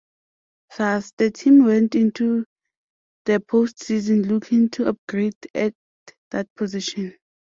Thus, the team went into the post season looking to upgrade at that position.